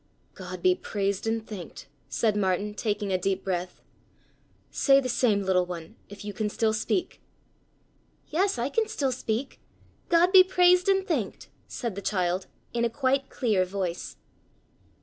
"God be praised and thanked!" said Martin, taking a deep breath. "Say the same, little one, if you can still speak!" "Yes, I can still speak! God be praised and thanked!" said the child, in a quite clear voice.